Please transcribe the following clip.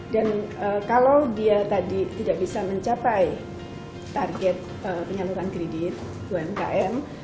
dan kalau dia tadi tidak bisa mencapai target penyaluran kredit umkm